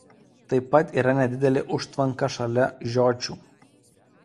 Taip pat yra nedidelė užtvanka šalia žiočių.